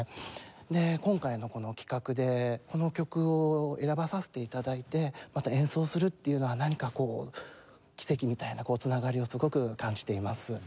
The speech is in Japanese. で今回のこの企画でこの曲を選ばさせて頂いてまた演奏するっていうのは何かこう奇跡みたいな繋がりをすごく感じています。